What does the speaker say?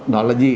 đó là gì